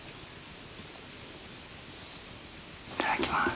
いただきます。